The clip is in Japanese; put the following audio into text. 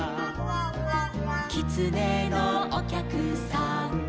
「きつねのおきゃくさん」